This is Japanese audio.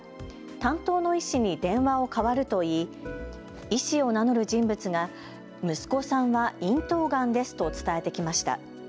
担当の医師に電話を代わると言い医師を名乗る人物が息子さんは咽頭がんですと伝えてきました。